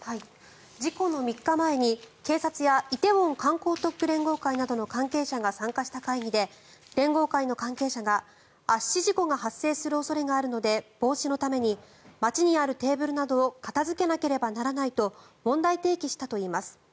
事故の３日前に警察や梨泰院観光特区連合会などの関係者が参加した会議で連合会の関係者が圧死事故が発生する恐れがあるので防止のために街にあるテーブルなどを片付けなければならないと問題提起したといいます。